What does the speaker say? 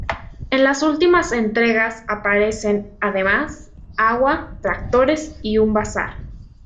En las últimas entregas aparecen, además, agua, tractores y un bazar.